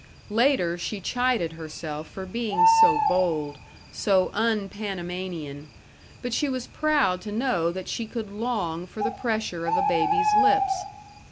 Later she chided herself for being so bold, so un Panamanian; but she was proud to know that she could long for the pressure of a baby's lips.